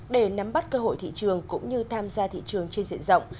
để nắm bắt cơ hội thị trường cũng như tham gia thị trường trên diện rộng